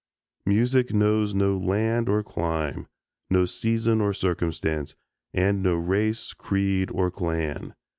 Music knows no land or clime, no season or circumstance, and no race, creed or clan.